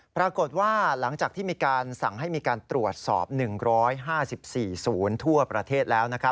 ปรากฏว่าหลังจากที่มีการสั่งให้มีการตรวจสอบ๑๕๔๐ทั่วประเทศแล้ว